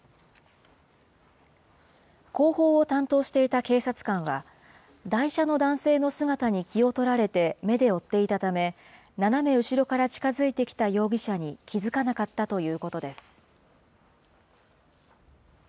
後方を担当していた警察官は、台車の男性の姿に気を取られて目で追っていたため、斜め後ろから近づいてきた容疑者に気付かなかったということです。